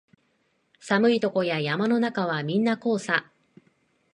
寒いとこや山の中はみんなこうさ